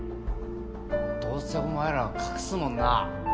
どうせお前らは隠すもんな？